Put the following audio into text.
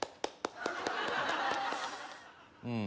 うん